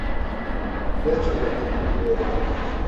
Ne söylediğimi biliyorum.